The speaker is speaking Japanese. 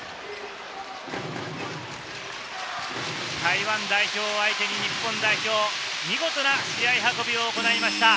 台湾代表を相手に日本代表、見事な試合運びを行いました。